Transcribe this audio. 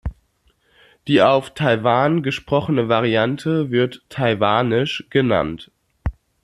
Die auf Taiwan gesprochene Variante wird „Taiwanisch“ genannt.